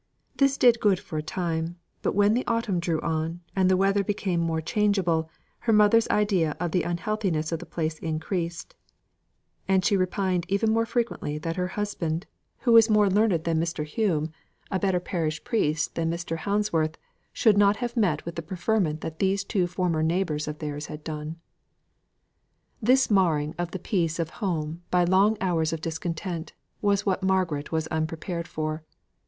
This did good for a time; but when the autumn drew on, and the weather became more changeable, her mother's idea of the unhealthiness of the place increased; and she repined even more frequently that her husband, who was more learned than Mr. Hume, a better parish priest than Mr. Houldsworth, should not have met with the preferment that these two former neighbours of theirs had done. This marring of the peace of home, by long hours of discontent, was what Margaret was unprepared for.